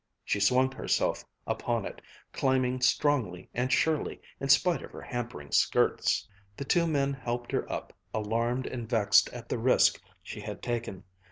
she swung herself upon it, climbing strongly and surely in spite of her hampering skirts. The two men helped her up, alarmed and vexed at the risk she had taken.